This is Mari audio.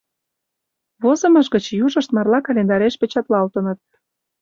Возымыж гыч южышт «Марла календареш» печатлалтыныт.